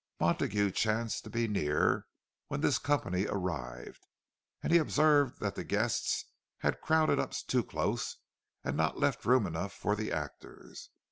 Montague chanced to be near when this company arrived, and he observed that the guests had crowded up too close, and not left room enough for the actors.